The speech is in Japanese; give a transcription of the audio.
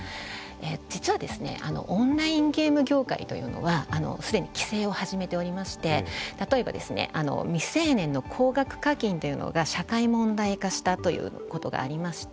実はオンラインゲーム業界というのはすでに規制を始めておりまして例えば未成年の高額課金というのが社会問題化したということがありまして